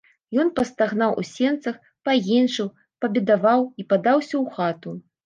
Ён пастагнаў у сенцах, паенчыў, пабедаваў і падаўся ў хату.